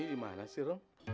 ini dimana sih